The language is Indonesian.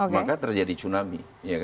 maka terjadi tsunami